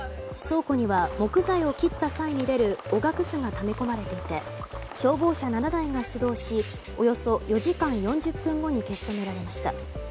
倉庫には木材を切った際に出るおがくずがため込まれていて消防車７台が出動しおよそ４時間４０分後に消し止められました。